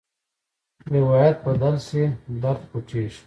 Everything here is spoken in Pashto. روایت بدل شي، درد پټېږي.